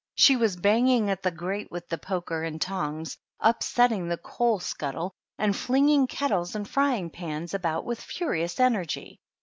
She was banging at the grate with the poker and tongs, upsetting the THE DUCHESS AND HER HOUSE. 43 coal scuttle, and flinging kettles and frying pans about with furious energy.